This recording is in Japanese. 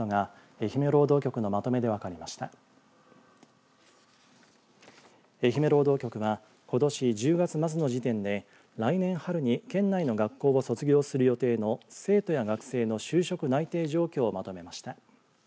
愛媛労働局はことし１０月末の時点で来年春に県内の学校を卒業する予定の生徒や学生の就職内定状況をまとめました。